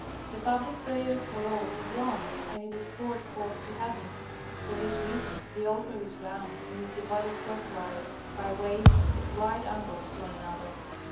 The public prayer for all is long, and it is poured forth to heaven. For this reason the altar is round and is divided crosswise by ways at right angles to one another.